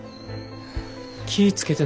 気ぃ付けてな。